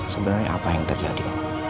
sebenarnya apa yang terjadi